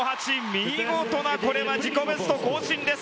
見事なこれは自己ベスト更新です！